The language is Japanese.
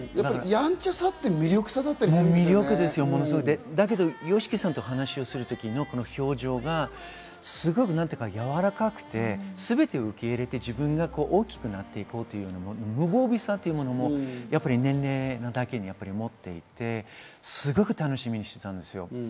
やんちゃさって魅力さだったＹＯＳＨＩＫＩさんと話をするときの表情がすごくやわらかくて、全てを受け入れて自分が大きくなっていこうというのが、無防備さというものも年齢なだけに持っていて、すごく楽しみにしていたんですよ。